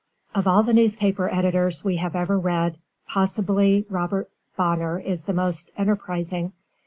Of all the newspaper editors we have ever read, possibly Robert Bonner is the most enterprising.